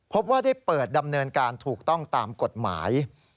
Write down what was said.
พบว่าได้เปิดดำเนินการถูกต้องตามกฎหมาย